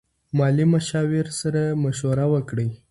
مالي مشاور سره مشوره وکړئ.